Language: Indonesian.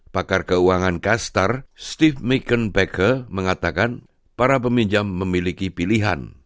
pakar keuangan kastar steven beckha mengatakan para peminjam memiliki pilihan